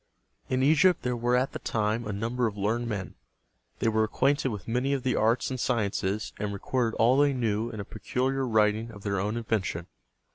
In Egypt there were at that time a number of learned men. They were acquainted with many of the arts and sciences, and recorded all they knew in a peculiar writing of their own invention.